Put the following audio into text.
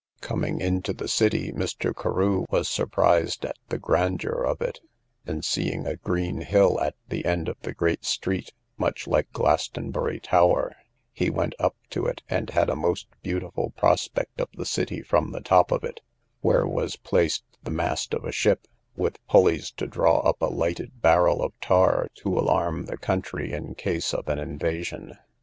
Coming into the city, Mr. Carew was surprised at the grandeur of it; and seeing a green hill at the end of the great street, much like Glastonbury Tower, he went up to it, and had a most beautiful prospect of the city from the top of it, where was placed the mast of a ship, with pullies to draw up a lighted barrel of tar to alarm the country in case of an invasion.